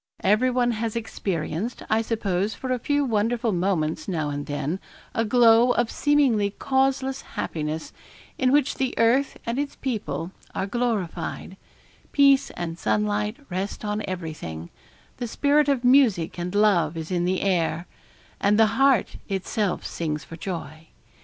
Everyone has experienced, I suppose for a few wonderful moments, now and then, a glow of seemingly causeless happiness, in which the earth and its people are glorified peace and sunlight rest on everything the spirit of music and love is in the air, and the heart itself sings for joy.